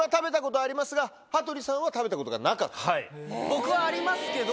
僕はありますけど。